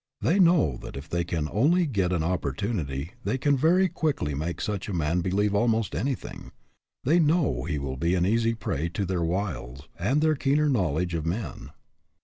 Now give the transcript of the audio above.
They know that if they can only get an opportunity they can very quickly make such a man believe almost anything. They know he will be an easy prey to their wiles and their keener knowledge of men.